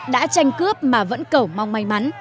đã tranh cướp mà vẫn cầu mong may mắn